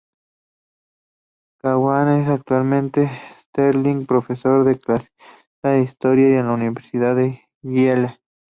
Kagan es actualmente Sterling Professor de Clásicas e historia en la Universidad de Yale.